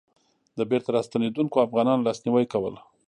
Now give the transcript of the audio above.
د بېرته راستنېدونکو افغانانو لاسنيوی کول.